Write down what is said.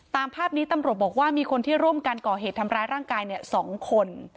ตามภาพนี้ตำรวจบอกว่ามีคนที่ร่วมกันก่อเหตุทำร้ายร่างกาย๒คน